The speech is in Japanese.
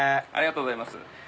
ありがとうございます。